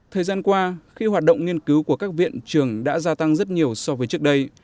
thời gian qua khi hoạt động nghiên cứu của các viện trường đã gia tăng rất nhiều so với trước đây